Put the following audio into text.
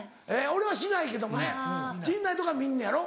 俺はしないけどもね陣内とかは見んのやろ？